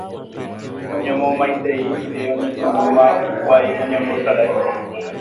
Oñomomaitei rire oñepyrũma hikuái oñembosarái